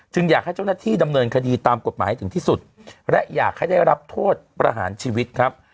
อยากให้เจ้าหน้าที่ดำเนินคดีตามกฎหมายให้ถึงที่สุดและอยากให้ได้รับโทษประหารชีวิตครับ